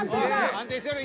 安定してる。